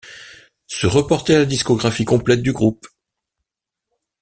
Se reporter à la discographie complète du groupe.